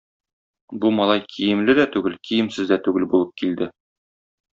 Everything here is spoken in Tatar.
Бу малай киемле дә түгел, киемсез дә түгел булып килде.